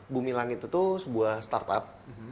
bumi langit itu sebuah startup